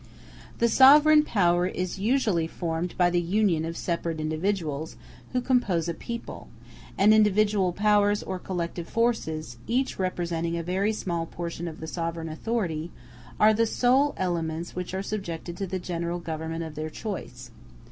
The sovereign power is usually formed by the union of separate individuals, who compose a people; and individual powers or collective forces, each representing a very small portion of the sovereign authority, are the sole elements which are subjected to the general Government of their choice.